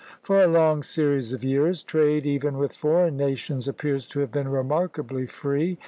For a long series of years, trade, even with foreign nations, appears to have been remarkably free.